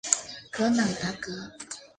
格朗达格。